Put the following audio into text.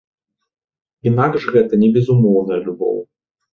Інакш гэта не безумоўная любоў.